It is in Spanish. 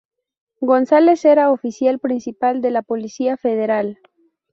González era Oficial Principal de la Policía Federal.